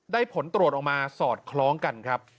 ผลตรวจออกมาสอดคล้องกันครับ